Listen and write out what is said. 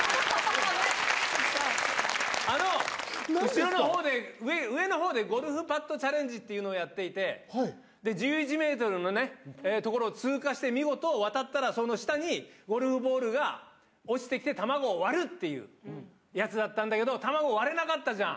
後ろのほうで、上のほうで、ゴルフパットチャレンジっていうのをやっていて、１１メートルの所を通過して、見事、渡ったら、その下にゴルフボールが落ちてきて、卵を割るっていうやつだったんだけど、卵、割れなかったじゃん。